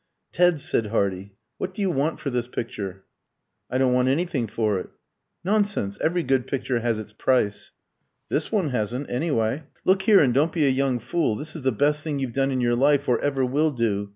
"Ted," said Hardy, "what do you want for this picture?" "I don't want anything for it." "Nonsense! Every good picture has its price." "This one hasn't, anyway." "Look here, and don't be a young fool. This is the best thing you've done in your life or ever will do.